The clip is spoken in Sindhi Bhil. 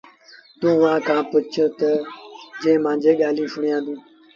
توٚنٚ اُئآݩٚ کآݩ پُڇ تا جنٚهنٚ مآݩجيٚ ڳآليٚنٚ سُوآندونٚ تا